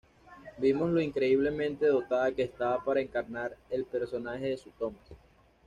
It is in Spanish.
Vimos lo increíblemente dotada que estaba para encarnar el personaje de Sue Thomas.